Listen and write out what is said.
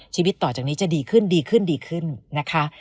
ชีวิตต่อจากนี้จะดีขึ้นดีขึ้นดีขึ้นนะคะ